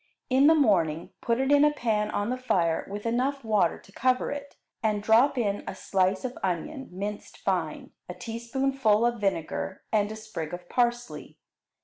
In the morning put it in a pan on the fire with enough water to cover it, and drop in a slice of onion, minced fine, a teaspoonful of vinegar, and a sprig of parsley.